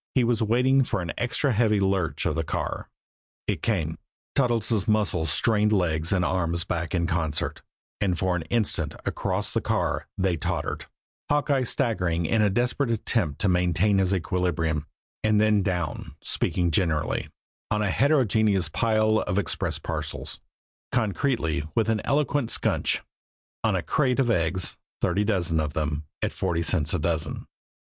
He was waiting for an extra heavy lurch of the car. It came. Toddles' muscles strained legs and arms and back in concert, and for an instant across the car they tottered, Hawkeye staggering in a desperate attempt to maintain his equilibrium and then down speaking generally, on a heterogeneous pile of express parcels; concretely, with an eloquent squnch, on a crate of eggs, thirty dozen of them, at forty cents a dozen.